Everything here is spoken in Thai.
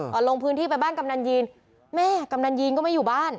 ลงพื้นที่ไปบ้านกำนันยีนแม่กำนันยีนก็ไม่อยู่บ้าน